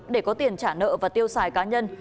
để có tiền trả nợ và tiêu xài cá nhân